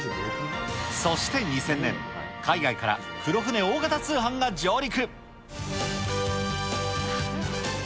そして２０００年、海外から黒船大型通販が上陸。